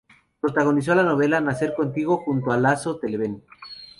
Protagonizó la novela "Nacer contigo" junto a Lasso para Televen.